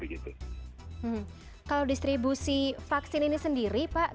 kalau distribusi vaksin ini sendiri pak